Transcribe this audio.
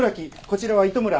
こちらは糸村。